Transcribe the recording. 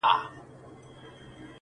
په سترگو دي ړنده سم، که بل چا ته درېږم,